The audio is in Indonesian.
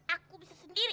aku bisa sendiri